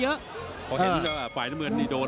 พอเห็นแล้วฝ่ายน้ำเงินดีโดด